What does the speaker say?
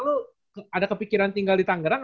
lalu ada kepikiran tinggal di tangerang